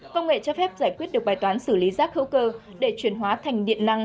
công nghệ cho phép giải quyết được bài toán xử lý rác hữu cơ để chuyển hóa thành điện năng